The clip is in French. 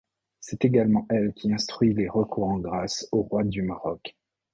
C'est également elle qui instruit les recours en grâce au Roi du Maroc.